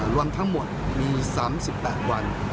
รวมทั้งหมดมี๓๘วัน